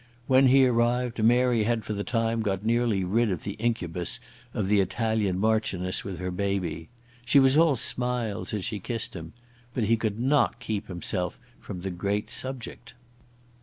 When he arrived Mary had for the time got nearly rid of the incubus of the Italian Marchioness with her baby. She was all smiles as she kissed him. But he could not keep himself from the great subject.